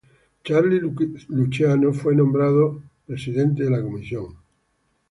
Charlie Luciano fue nombrado presidente de la Comisión.